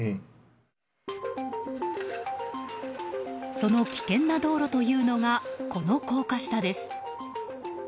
その危険な道路というのがこの高架下です。